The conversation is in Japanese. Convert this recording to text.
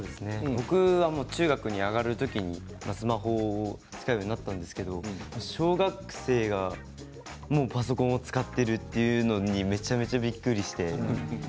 僕は中学校に上がる時にスマホを使うようになったんですけれど小学生がパソコンを使っているというのでめちゃくちゃびっくりして。